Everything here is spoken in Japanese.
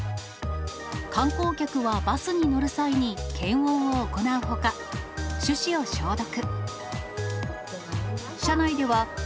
観光客はバスに乗る際に検温を行うほか、手指を消毒。